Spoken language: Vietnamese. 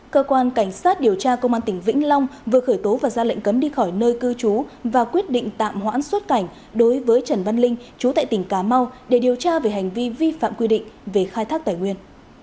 cơ quan cảnh sát điều tra công an tỉnh vĩnh long vừa khởi tố và ra lệnh cấm đi khỏi nơi cư trú và quyết định tạm hoãn xuất cảnh đối với trần văn linh chú tại tỉnh cà mau để điều tra về hành vi vi phạm quy định về khai thác tài nguyên